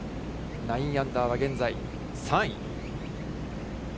９アンダーは現在３位。